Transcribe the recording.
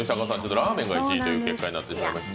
ラーメンが１位という結果になってしまいました。